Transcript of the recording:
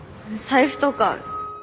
財布とか。